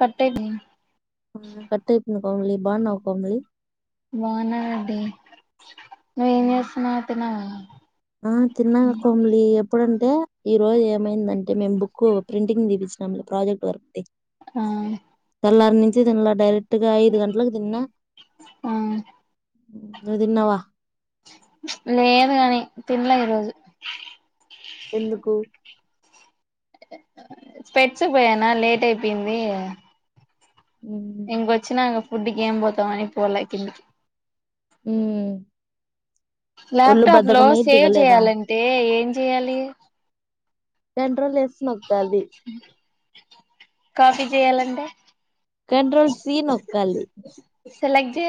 Cut ఏది కట్టయిపుకోమిలిి బాకోమలిి బాగున్నావండి నువ్వేం చేస్తున్నావు తన్నావా ఆ తిన్నాగా కొమలి ఎప్పుడంటే ఈ రోజు ఏమైందంటే మేము బుక్ ప్రింటింగ్ దిపించ ప్రాజెక్ట్ వర్క్ ఆ తెల్లరు నుంచి దీనిలో డైరెక్ట్ గా యిదు గంటలకు తిన్నా ఆ నుదిన్నావా లేదు కనీ తీన్లే ఈ రోజు ఎందుకు స్పెక్ట్స్ పోయానా లేట్ అయిపోయింది ఉమ్ ఇంకొచ్చినా ఫుడ్కి ఏం పోతాం అని పోలే కిందికి ఉమ్ ల్యాప్టాప్ లో సేవ్ దిగలేదా చేయాలంటే ఏం చెయాలి కంట్రోల్ ఎస్ నోక్కాలి కాపి చెయ్యాలంటే కంట్రోల్ సీ నోక్కాలి సెలెక్ జె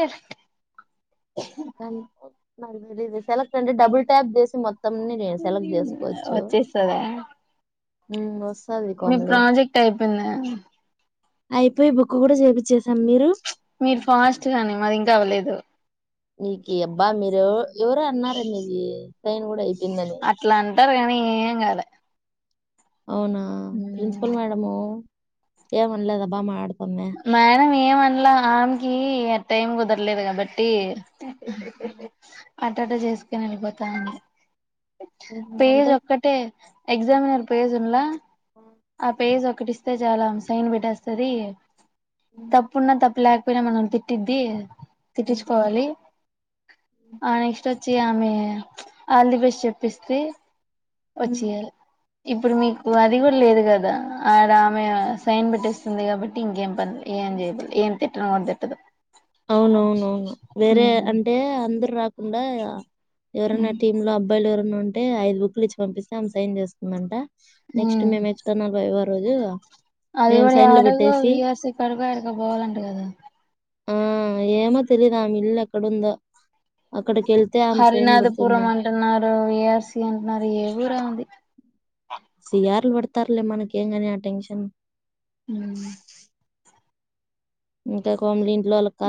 నాక్ తెలీదు సెలెక్ట్ అంటే డబుల్ ట్యాప్ చేసి మొత్తంన్ని నేను సెలెక్ట్ చేసుకోవచ్చు వచ్చేస్తదా ఉమ్ వస్తది మీ కొంలే ప్రాజెక్ట్ అయిపోయిందా అయిపోయ్ బుక్కు కూడా చేపిచ్చేసాం మీరు మీరు ఫాస్ట్ గానీ మాది ఇంకా అవ్వలేదు నీకీ అబ్బా మీరు ఎవరో అన్నారండి ఇది సైన్ కూడా అయిపోయిందని టర్గాని ఏం కాలే అవునా ప్రిన్సిపల్ మేడము ఏమన్లేదా బామట్డ్ మేడమ్ ఏమన్లా ఆమ్కి టైం కుదరలే కాబట్టి ఆట్టట చేసుకొని వెళ్ళిపోతా అనీ ఉహు, పేజ్ అంటే ఒక్కటే ఎగ్జామినర్ పేజ్ ఉలా ఆ పేజ్ ఓక్ కుటిస్తే చాల్ అం సైన్ పెట్టేస్తది. తప్పున్నా తప్ లేకపోయినా మనం తిట్టిద్ది తిట్టించ్కోవాలి ఆ నెక్స్ట్ ఒచ్చి ఆమె ఆల్ది బెస్ చెప్పిస్తీ ఒచ్చియలే ఇప్పుడు మీకు అది కూడా లేదు కదా ఆడ ఆమె సైన్ పెట్టటిస్తుంది కాబట్టి ఇంకేం పన్లే ఏం చేయకుల్లి ఏన్ తిట్టనో తిట్టదు అవునవునవును వేరే ఉమ్ అంటే అందరు రాకుండా ఎవరైన్నా టీమ్ లో అబ్బాయిలు ఎవరన్నా ఉంటే ఐదు బుక్లు ఇచ్చి పంపిస్తే ఆమె సైన్ చేస్తుందంట నెక్స్ట్ మేము ఎక్స్టర్నల్ వైవా రోజు మేము అదివడి సైన్లు అడుగ పెట్టేసి వియాసి క అడుగ ఎక పోవాలంట కదా ఆ ఏమో తెలీదు ఆ ఇల్ ఎక్కడుందో అక్కడికి వెళ్తే ఆమె సైన్ హరినాథపురం పెడుతుందంట అంటున్నారు ఏఆర్సి అంటున్నారు ఏ ఊర్ ఆమెది సి ఆర్లు పడతార్లే మనకేం కాని ఆ టెన్షన్ ఉమ్ము ఇంకా కిమ్లిన్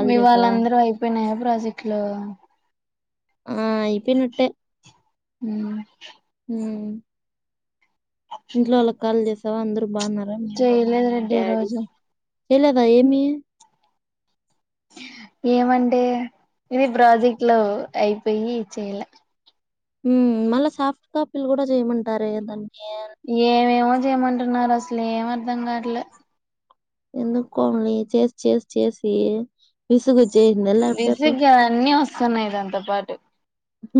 మీ వాళ్ళందరూ అయిపోయినాయా ప్రాజెక్ట్లో ఆ ఇయి పనిట్టే మ్మ్ ఇంట్లోల్లక్ కాల్ చేసావా అందరు బాగున్నారా మీ మమ్మీ చేయలేదు మీ రెడ్డి ఈ డ్యాడి రోజు చెలేదా ఏమీ ఏమంటే ఇది ప్రాజెక్ట్ లో అయిపోయి చేయాల ఉమ్ మళ్ళా సాఫ్ట్ కాపీలు కూడా చేయమంటరే దాన్ ఏమేమో చేయమంటున్నార్ అసలు ఏమర్ధం కాట్లే ఎందుకు కోమలి చేస్ చేస్ చేసి విసుగు ఓచ్చేయి ద ల్యాప్టాపు సన్నాయి దాంత పాటి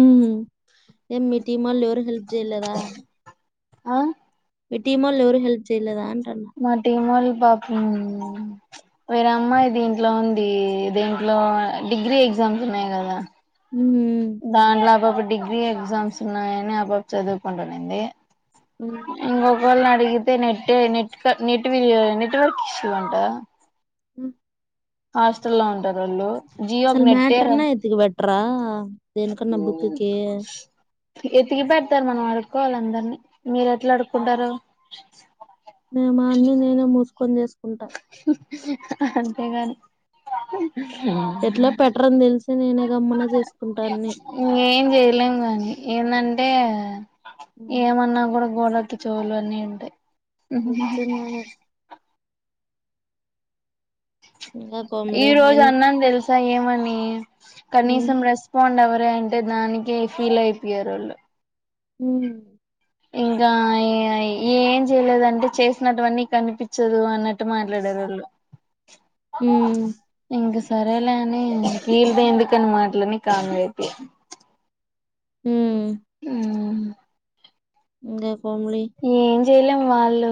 ఉమ్ హు ఎం మీ టీమోల్ ఎవరు హెల్ప్ చేయలేదా ఆ మీ టెమోల్లూ ఎవరు హెల్ప్ చేయలేదా అన్ మా టీమోల్ బాపుం వేరే అమ్మాయ్ దీంట్లో ఉంది దీంట్లో డిగ్రీ ఎగ్ జమ్స్ ఉన్నాయ్ కదా ఉమ్ దాంట్లో ఆ పాప డిగ్రీ ఎగ్జామ్స్ ఉన్నాయని ఆ పాప చదువుకుంటునుంది ఉమ్ వాళ్ళని అడిగితే net net net network issue అంట ఉ హాస్టల్ లో ఉంటారు వీళ్లు అసలు మ్యాటర్నా ఎతుకి పెట్రా ఉమ్ ఎతికి పె అసలు మనం అడుకోవాలి అందరిని మీరు ఎట్లా అడుకుంటారు మేము అన్ని నేనే మూసుకొని చేేసుకుంటాం అంతేగాని ఎట్లా పెట్టరని తెలిసి నేనే గమ్మున చేసుకుంటాన్ని ఇంకేం చేయలేం గానీ ఏందంటే ఏ ఏమన్నా కూడా గోడలకి చెవులు అన్నీ ఉంటాయి నిజంగానే ఇంగా ఈ కోమలి రోజు ఎన్ అన్నాను తెలుసా ఏమని ఉమ్ కనీసం రెస్పాండ్ అవ్వ అంటే దానికి ఫీల్ అయిపోయారు వాళ్ళు ఉమ్ ఇంకా ఏం చేయలేదంటే చేసినటువన్నీ కనిపించదు అన్నట్టు మాట్లాడారు [inaudible] ఉమ్ ఇంక సరేలే అని వీలతో ఎందుకని మాటలని కామ్ గా అయితి ఉమ్ [unintelligible] చేయలేం వాళ్ళు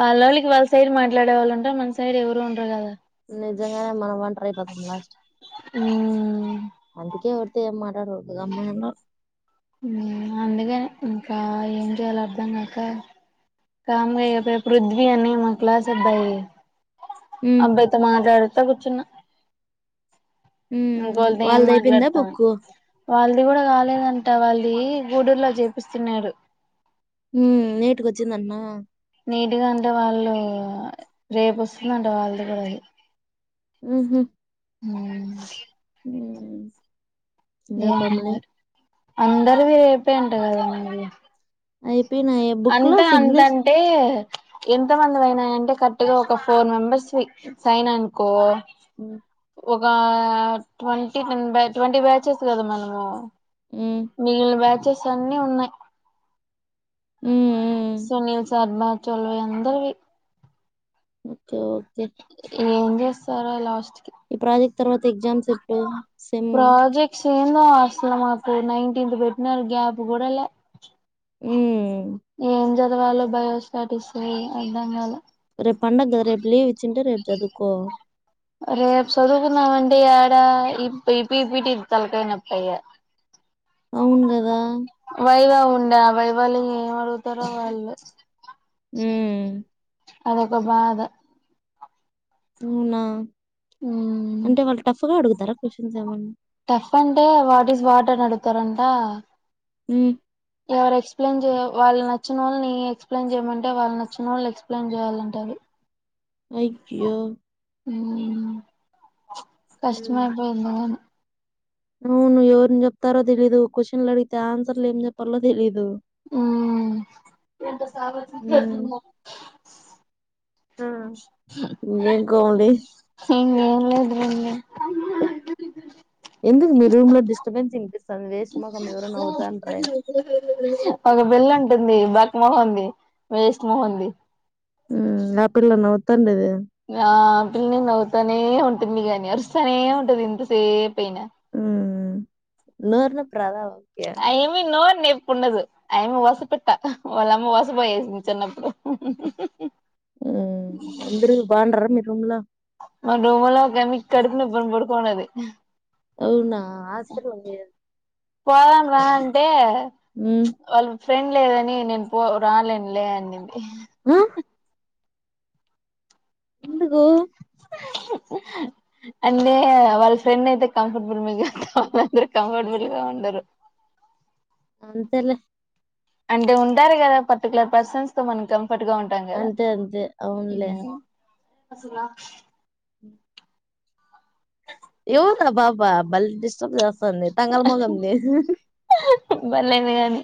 వాళ్ళొళ్ళకి వాళ్ళ సైడ్ మాట్లాడే వాళ్ళు ఉంటారు మన సైడ్ ఎవరు ఉండరు కదా నిజంగానే మనం ఒంటరి అయిపోతమ్ లాస్ట్ కీ ఉమ్ అందుకే ఎవరితో ఏం మాట్లాడరు గమ్మునుంటా ఉమ్ అందుకని ఇంకా ఏం చేయాల అర్ధం కాక కామ్ గా అయిపోయి పృథ్వీ అని మా క్లాస్ అబ్బాయి ఉమ్ అబ్బాయితో మాట్లాడుత ఉత్త కూర్చున్న ఉమ్ ఇంకోళతే ఏం వాళ్ళది అయిపోయిందా మాట్లాడతాం బుక్కు వాళ్ళది కూడా కాలేదంట వాళ్ళది గూడూరు లో చేపిస్తున్నాడు ఉమ్ లేటుగా వచ్చిందాట్న నీట్గా అంటే వాళ్ళు రేపోస్తుందంట వాళ్ళది కూడా అది ఉహూ ఉమ్ [unintelligible] అందరువి రేపే అంట కదవి అయిపోయినాయే బుక్ అంట లో సిగ్నేచ్ అంటంటే ఎంత మంది పోనాయంటే కరెక్ట్ గా ఒక ఫోర్ మెంబెర్స్వి సైనానుకో ఓ ఉమ్ ఒక ట్వంటీ మెంబర్ ట్వంటీ బ్యాచెస్ కదా మనము ఉమ్ మిగిలిన బ్యాచెస్ అన్నీ ఉన్నాయ్ ఉమ్ సునీల్ శర్మా చోల్వ అందరువి ఓకే ఓకే ఏం చేస్తారో లాస్ట్ కి ఈ ప్రాజెక్ట్ తర్వాత ఎగ్జామ్స్ ఎప్పుడు సెమ్ము ఏందా అసలు మాకు నైన్టీన్త్ పెట్టినారు గ్యాప్ కూడా ల్యా హుమ్ ఏం చదవాలో బయోస్టాటిస్ అర్ధం కాలే రేపు పండంగ కదా రేపు లీవ్ ఇచ్చింటే రేపు చదుకో రేపు చదువుకుందాం అంటే ఆడ ఇపి ఇపి ఇటి ఇపి తలకాయ నొప్పి ఇగ అవును గదా వైవా ఉండే ఆవై వాళ్ళు ఏం అడుగుతారో వాళ్ళు హ్మ్ అదొక్క బాధ అవునా ఉమ్ అంటే వాళ్ళు టఫ్ గా అడుగుతారా క్వశ్చన్స్ ఏమన్నా టఫ్ అంటే వాట్ ఈస్ వాట్ అని అడుగుతారంట ఉ ఎవరు ఎక్స్ప్లెయిన్ చే వాళ్ళు నచ్చినోల్లని ఎక్స్ప్లెయిన్ చేయమంటే వాళ్ళు నచ్చిన వాళ్ళు ఎక్స్ప్లెయిన్ చేయాలంట. అవి అయ్యో. ఉ హ్మ్ కష్టమపోయిందా అని అవును ఎవరిని చెప్తారో తెలిదు క్వశ్చన్ల అడిగితే ఆన్సర్లు ఏం చెప్పాలో తెలిదు. ఉ అ ఇంకే కోడి ఇంగేం లేదు లెండి [inaudible] ఎందుకు మీ రూమ్ లో డిస్టర్బెన్స్ వినిపిస్తంది. వేస్ట్ ముఖం ఎవరో నవ్వుతాన్ర్రె. ఒక పిల్ల అంటుంది బక్ మొహంది. వేస్ట్ మొహంది. ఉమ్ ఆ పిల్ల నవ్వుతాండిదె ఆ పిల్ల నవ్వుతానే ఉంటుంది గాని అరుస్తానే ఉంటది ఎంతసేపు అయినా. ఉమ్ నోరు నొప్పి రాదా ఆమెకి ఉండదు. ఆయమ్మ వస పిట్ట వాళ్ళమ్మ వస పోయేసింది చిన్నప్పుడు ఉమ్ అందరు బాగుండార్ ర్రా మీ రూమ్ లో మా రూమ్ లో ఒక ఆమీకి కడుపు నోప్పి అని పడుకోన్నది. అవునా! హాస్పిటల్కి పోయే పోదాం రా అంటే. హ్మ్ చ్చ్ వాళ్ళు ఫ్రెండ్ లేదని నేను పో రాలేను లే అనింది. ఆ ఎందుకు? అందే వాళ్ళ ఫ్రెండ్ అయితే కంఫర్టబుల్ మీద [unintelligible] కంఫర్టబుల్ గా ఉండరు. అంతేలే అంటే ఉంటారు కదా పర్టికులర్ పర్సన్స్ తో మనక కంఫర్ట్ గా ఉంటాం కదా. అంతే అంతే ఈ అవునులే ము అసల ఎవర్రా బాబా భలే డిస్టర్బ్ చేస్తాంది. తంగల్ మొఖంది. బల్లెన్ గానీ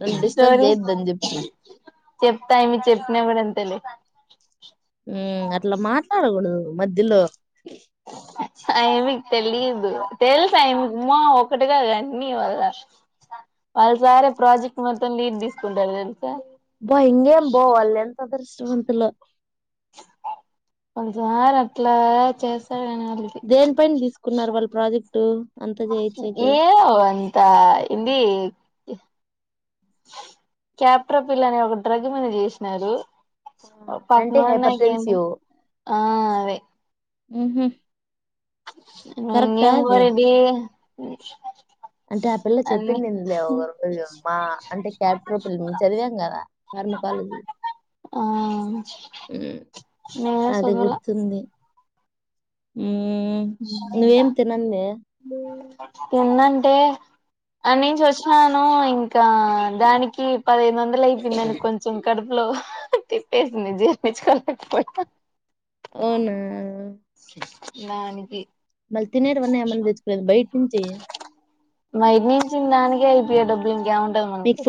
నన్ను డిస్టర్బ్ స్టోరీస్ చేయొద్దని చెప్పి చెప్తా ఇమి చెప్ నవరంతలు ఉమ్ అట్లా మాట్లాడకూడదు మధ్యలో ఆయమ్మికి తెలీయదు. తెలుసా ఆయమ్మికు అమ్మో ఒకటి గాదు అన్నీ మళ్ళా వాళ్ళ సారే ప్రాజెక్ట్ మొత్తం లీడ్ తీసుకుంటారు. బా హింగే ఏమ్ బో వాళ్ళే ఎంత అదృష్టవంతులో కొంచం ఆ ర్ అట్లా చేస్ దేని పైన తీసుకున్నారు వాళ్ళు ప్రాజెక్టు. అంతా చేయిచ్చేకి ఏవ్ అంతా ఇంది క్యాప్రా పిల్ల అని ఒక డ్రగ్ మీద చేసినారు. అంటే పక్నున్నాయి హైపర్ ఏమీ టెన్సివ్ ఆ అవే ఊహూ ఇంగ కరెక్టా నేను గూడ అది రెడ్డి అంటే ఆ పిల్ల చెప్పింది ఇనలే ఓగరు ఇల్లో ఆ అంటే క్యాప్టరూపిల్ల మేము చదివాం కదా. అర్నాకాలుదు. ఆ ఉమ్ నేనే అది చదవలా గుర్తుంది. ఉమ్ నువ్వేం తీనందే ఎందంటే అని నుంచి వచ్చినా ఇంకా దానికి పదిహేదు వందలు అయిపోయిందిను కొంచెం కడుపు లో తిపేసింది జీర్ణించుకోలే పోయిన అవునా దానికి మళ్ళీ తినేటవన్నా ఏమన్నా తెచ్చుకోలేదు బయట నుంచి బైట నుంచిన దానికే అయిపోయా డబ్బులు ఇంకేముంటది మనకు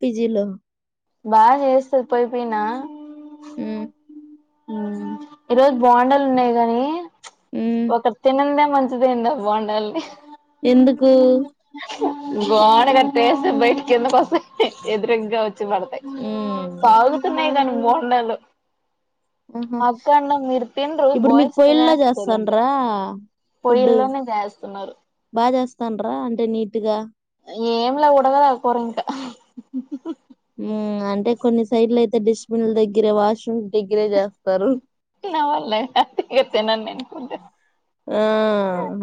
పిజిలో బా చేస్తది పోయిపోయినా హ్మ్ ఈరోజు బోండాలు ఉన్నాయి కాగాని హ్మ్ ఒకరు తిన్నందే మ మంచిదంద బాగుండాలిని ఎందుకు గోన గట్టేసి బయటికి ఎందుకోసం ఎదురగగావచ్చు వచ్చపడతాయి హ్మ్ సాగుతున్నాయి కానీ బోండాలు ఆహా అక్కండ మీరు తినరు ఇప్పుడు మీకు బాయ్స్ పయిల్లా తినేస్తారు అంట చేస్తాన్రా ఫుడ్ పొయ్యిల్లోనే చేస్తున్నారు బాగా చేస్తాన్రా అంటే నీట్ ఏంలా ఉడకాదు ఆ కొర ఇంకా అంటే కొన్ని సైడ్ల అయితే డస్ట్బిన్ దగ్గరే వాష్రూమ్ నవల్ల గతే ఇగ తినను నేను ఆ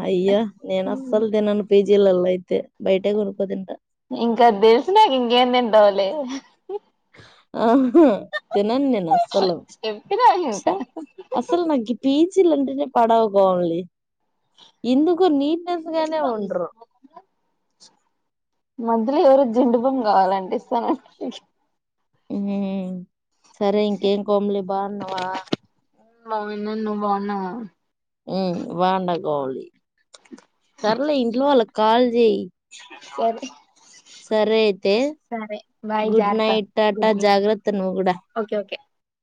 అయ్యా నేను అస్సలు తినను పిజ లలో అయితే బయటే కొనుక్క తింటా ఇంకా తెలిసు నాక ఇంకేం తింటవలే ఆ తినన్ నా అసలు చెప్పినా ఇంట అసలు చ నాకి ఈ పిజ లంటినే పాడవవు కంలీ ఎందుకు నీట్నెస్ గానే ఉండరు. మధ్యలో ఎవరో జిండుపమ్ కావాలంటే ఇస్తాను సరే ఇంకేంకోమ్లి బా ఉన్నావా బాగున్నాను నువ్వు బాగున్నావా ఉమ్ బాగుండా సర్లే ఇంట్లో వాళ్ళకి కాల్ చేయి సరే సరే అయితే గుడ్ నైట్ టాటా జాగ్రత్త నువ్వు కూడా